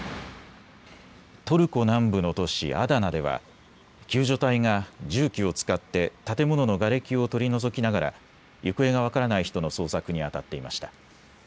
トルコ南部の都市アダナでは救助隊が重機を使って建物のがれきを取り除きながら行方が分からない人の捜索にあたっていました。